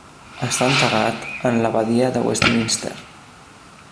Està enterrat en l'Abadia de Westminster.